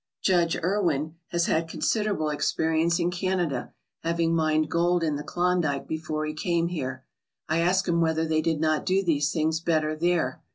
"Judge" Erwin has had considerable experience in Canada, having mined gold in the Klondike before he came here. I asked him whether they did not do these things better there.